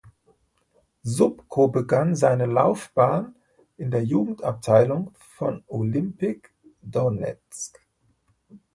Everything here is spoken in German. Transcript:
Subkow begann seine Laufbahn in der Jugendabteilung von Olimpik Donezk.